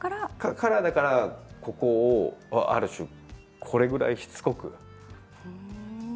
カラーだから、ここをある種、これぐらいしつこく。